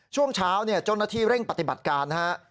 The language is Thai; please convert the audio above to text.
ช่วงเช้าเจ้าหน้าที่เร่งปฏิบัติการนะฮะ